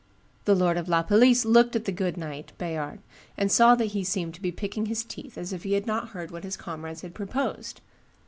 The lord of La Palisse looked at the good knight (Bayard), and saw that he seemed to be picking his teeth, as if he had not heard what his comrades had proposed.